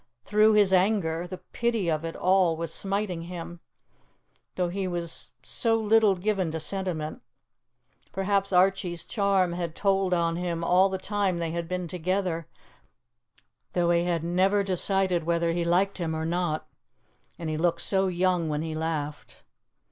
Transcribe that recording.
Through his anger, the pity of it all was smiting him, though he was so little given to sentiment. Perhaps Archie's charm had told on him all the time they had been together, though he had never decided whether he liked him or not. And he looked so young when he laughed.